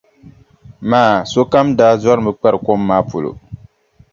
Maa sokam daa zɔrimi kpari kom maa polo.